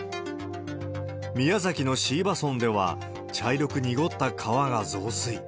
宮崎の椎葉村では、茶色く濁った川が増水。